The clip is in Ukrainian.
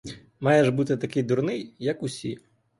Маєш бути такий дурний, як усі.